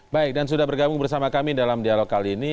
baik dan sudah bergabung bersama kami dalam dialog kali ini